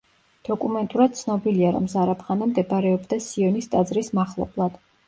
დოკუმენტურად ცნობილია, რომ ზარაფხანა მდებარეობდა სიონის ტაძრის მახლობლად.